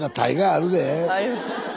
あります。